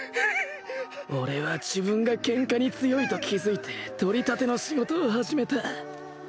俺は自分がケンカに強いと気付いて取り立ての仕事を始めた